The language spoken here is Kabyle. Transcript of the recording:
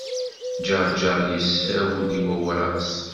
Ǧeṛǧeṛ yessawel i Wawras.